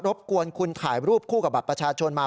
บกวนคุณถ่ายรูปคู่กับบัตรประชาชนมา